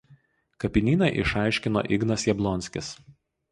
Kapinyną išaiškino Ignas Jablonskis.